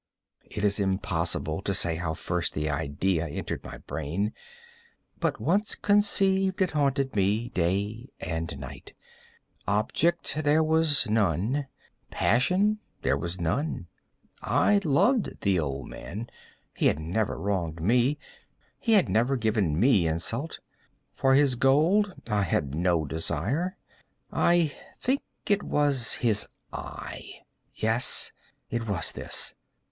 It is impossible to say how first the idea entered my brain; but once conceived, it haunted me day and night. Object there was none. Passion there was none. I loved the old man. He had never wronged me. He had never given me insult. For his gold I had no desire. I think it was his eye! yes, it was this!